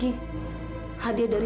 ini hadiah dari